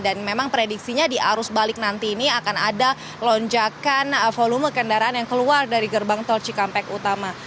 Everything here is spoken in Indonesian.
dan memang prediksinya di arus balik nanti ini akan ada lonjakan volume kendaraan yang keluar dari gerbang tol cikampek utama